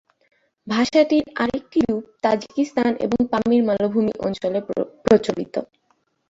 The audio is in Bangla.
ভাষাটির আরেকটি রূপ তাজিকিস্তান এবং পামির মালভূমি অঞ্চলে প্রচলিত।